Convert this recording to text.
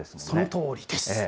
そのとおりです。